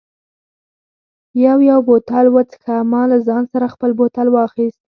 یو یو بوتل و څښه، ما له ځان سره خپل بوتل واخیست.